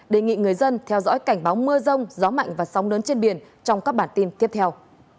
đề nghị người dân theo dõi cảnh báo mưa rông gió mạnh và sóng lớn trên biển trong các bản tin tiếp theo